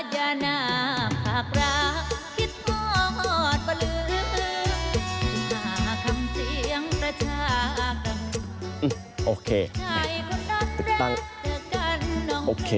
อย่าน้ำหักรากคิดมองอดประลื้ม